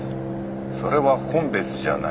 それは本別じゃない。